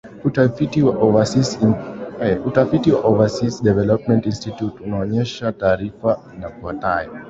Utafiti kutoka Overseas Development Institute unaonesha taarifa ifuatayo